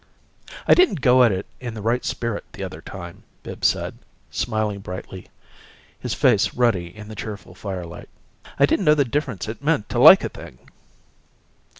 "I didn't go at it in the right spirit the other time," Bibbs said, smiling brightly, his face ruddy in the cheerful firelight. "I didn't know the difference it meant to like a thing."